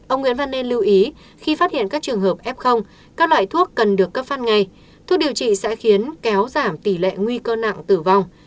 ông nguyễn văn nên lưu ý khi phát hiện các trường hợp f các loại thuốc cần được cấp phát ngay thuốc điều trị sẽ khiến kéo giảm tỷ lệ nguy cơ nặng tử vong